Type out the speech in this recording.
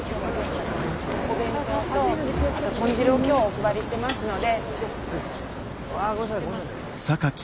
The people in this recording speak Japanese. お弁当とあと豚汁を今日お配りしてますので。